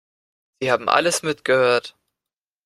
Sie haben alles mitgehört.